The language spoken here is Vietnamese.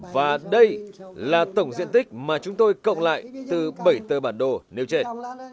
và đây là tổng diện tích mà chúng tôi cộng lại từ bảy tờ bản đồ nêu trên